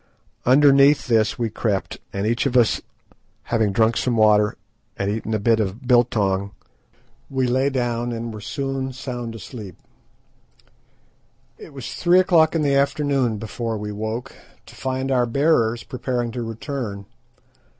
Underneath this we crept, and each of us having drunk some water and eaten a bit of biltong, we lay down and soon were sound asleep. It was three o'clock in the afternoon before we woke, to find our bearers preparing to return.